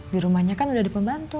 di rumahnya kan udah di pembantu